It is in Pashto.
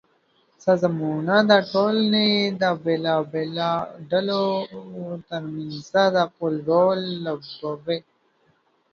سازمانونه د ټولنې د بېلابېلو ډلو ترمنځ د پُل رول لوبوي.